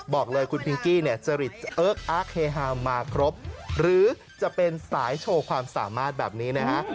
บอกเลยคุณพิงกี้เนี่ยจะหรือจะเป็นสายโชว์ความสามารถแบบนี้นะฮะ